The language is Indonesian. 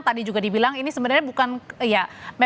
tadi juga dibilang ini sebenarnya bukan ya